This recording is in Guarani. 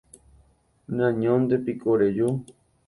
Neañóntepiko reju